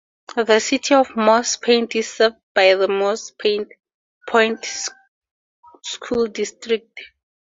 The city of Moss Point is served by the Moss Point School District.